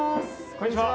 こんにちは。